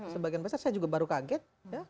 sebagian besar saya juga baru kaget